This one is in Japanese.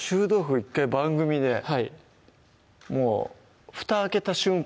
１回番組ではいもうふた開けた瞬間